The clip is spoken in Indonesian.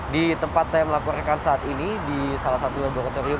di tempat saya melaporkan saat ini di salah satu laboratorium